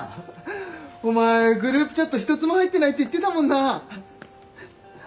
お前グループチャット一つも入ってないって言ってたもんな。